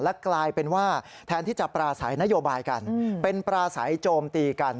กลายเป็นว่าแทนที่จะปราศัยนโยบายกันเป็นปลาใสโจมตีกัน